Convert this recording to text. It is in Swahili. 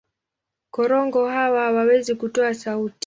Korongo hawa hawawezi kutoa sauti.